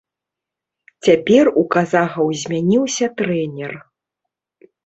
Цяпер у казахаў змяніўся трэнер.